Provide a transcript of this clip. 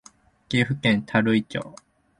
岐阜県垂井町